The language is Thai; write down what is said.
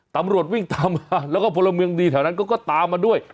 ตำรวจวิ่งตามมาแล้วก็พลเมืองดีแถวนั้นก็ตามมาด้วย